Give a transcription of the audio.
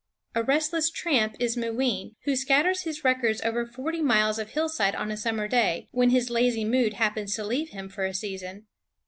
A restless tramp is Mooween, who scatters his records over forty miles of hillside on a summer day, when his lazy mood happens to leave him for a season.